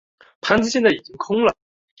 盘子现在已经空了。